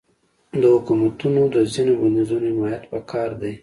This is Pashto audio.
د حکومتونو د ځینو بندیزونو حمایت پکار دی.